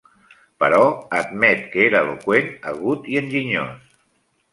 Però admet que era eloqüent, agut i enginyós.